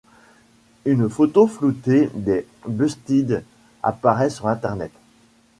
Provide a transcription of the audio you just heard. Une photo floutée des Busted apparait sur Internet.